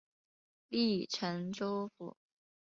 隶辰州府。